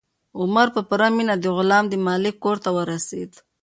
عمر په پوره مینه د غلام د مالک کور ته ورسېد.